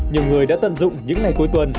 nhiều người đã tận dụng những ngày cuối tuần